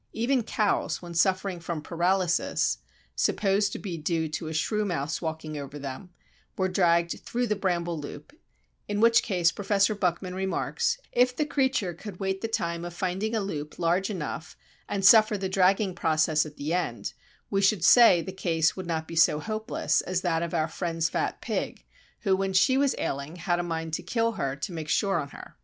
Even cows when suffering from paralysis (supposed to be due to a shrew mouse walking over them) were dragged through the Bramble loop, in which case Professor Buckman remarks, "If the creature could wait the time of finding a loop large enough and suffer the dragging process at the end, we should say the case would not be so hopeless as that of our friend's fat pig, who, when she was ailing, had a mind to kill her to make sure on her."